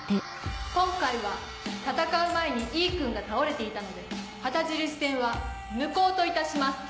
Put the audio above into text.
今回は戦う前に井伊君が倒れていたので旗印戦は無効といたします。